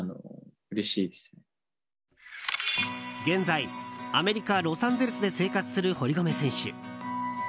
現在アメリカ・ロサンゼルスで生活する堀米選手。